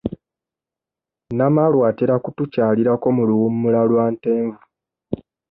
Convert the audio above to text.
Namaalwa atera kutukyalirako mu luwummula lwa Ntenvu.